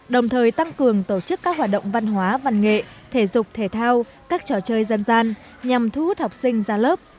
đồng thời tăng cường tổ chức các hoạt động văn hóa văn nghệ thể dục thể thao các trò chơi dân gian nhằm thu hút học sinh ra lớp